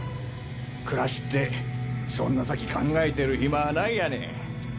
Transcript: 暮らしってそんな先考えてる暇はないやね。